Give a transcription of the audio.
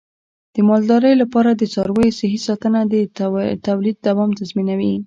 د مالدارۍ لپاره د څارویو صحي ساتنه د تولید دوام تضمینوي.